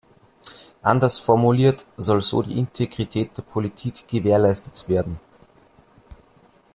Anders formuliert soll so die Integrität der Politik gewährleistet werden.